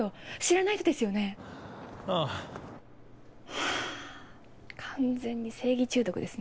ハァ完全に正義中毒ですね。